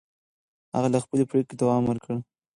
هغه له خپلې پرېکړې دوام ورکړ.